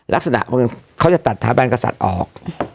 ลักษณะเขาจะตัดถาบันกษัตริย์ออก